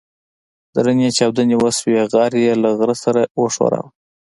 درنې چاودنې وسوې غر يې له غره سره وښوراوه.